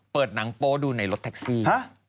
เปิดหนังโป้ดูในรถแท็กซี่